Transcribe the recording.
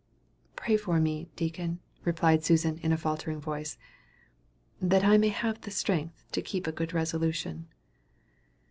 "Pray for me, deacon," replied Susan in a faltering voice, "that I may have strength to keep a good resolution."